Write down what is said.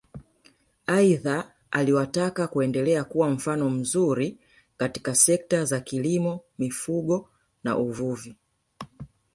Aidha aliwataka kuendelea kuwa mfano mzuri katika sekta za kilimo mifugo na uvuvi